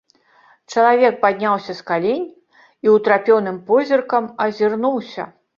Чалавек падняўся з калень і ўтрапёным позіркам азірнуўся.